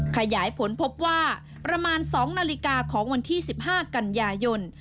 ขยายผลพบว่าประมาณ๒นาฬิกาของวันที่๑๕กันยายน